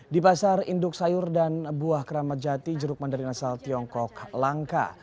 di pasar induk sayur dan buah keramat jati jeruk mandarin asal tiongkok langka